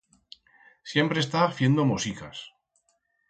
Siempre está fiendo mosicas!